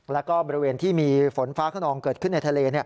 แล้วก็บริเวณที่มีฝนฟ้าขนองเกิดขึ้นในทะเล